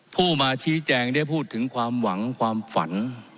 ผู้มาชี้แจงได้พูดถึงความหวังความฝัน